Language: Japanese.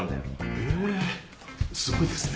へえすごいですね。